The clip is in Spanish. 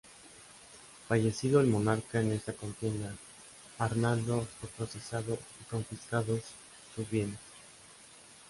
Fallecido el monarca en esta contienda, Arnaldo fue procesado y confiscados sus bienes.